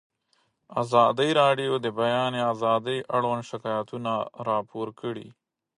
ازادي راډیو د د بیان آزادي اړوند شکایتونه راپور کړي.